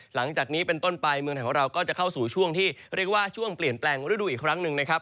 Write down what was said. หลังจากนี้เป็นต้นไปเมืองไทยของเราก็จะเข้าสู่ช่วงที่เรียกว่าช่วงเปลี่ยนแปลงฤดูอีกครั้งหนึ่งนะครับ